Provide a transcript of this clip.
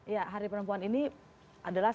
ya hari perempuan ini adalah